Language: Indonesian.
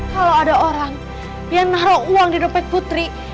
kalau ada orang yang naruh uang di dompet putri